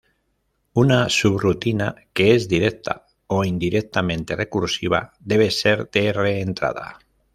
Una subrutina que es directa o indirectamente recursiva debe ser de reentrada.